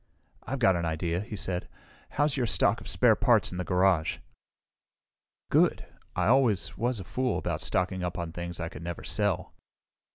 "I've had an idea," he said. "How's your stock of spare parts in the garage?" "Good. I always was a fool about stocking up on things I could never sell."